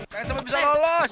kayaknya semua bisa lolos